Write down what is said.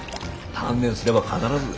鍛錬すれば必ず。